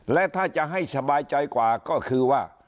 และถ้าจะให้สบายใจกว่าก็คือว่า